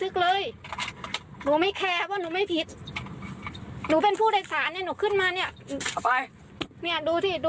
คือมันโอ้ยไม่ได้